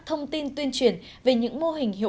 thông tin tuyên truyền về những mô hình